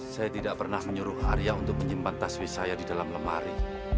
saya tidak pernah menyuruh arya untuk menyimpan taswi saya di dalam lemari